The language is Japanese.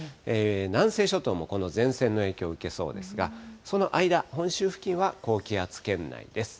南西諸島もこの前線の影響を受けそうですが、その間、本州付近は高気圧圏内です。